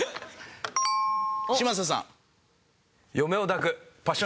嶋佐さん。